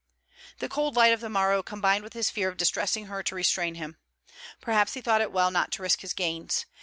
The cold light of the morrow combined with his fear of distressing her to restrain him. Perhaps he thought it well not to risk his gains.